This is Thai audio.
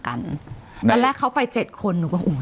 ตอนแรกเขาไปเจ็ดคน